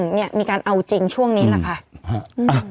งั้นมีการเอาจริงช่วงนี้ล่ะค่ะ